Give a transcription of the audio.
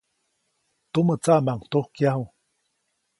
Tumä tsaʼmaʼuŋ tujkyaju.